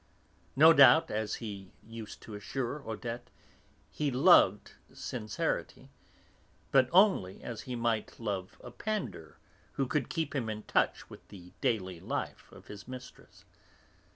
No doubt, as he used to assure Odette, he loved sincerity, but only as he might love a pander who could keep him in touch with the daily life of his mistress.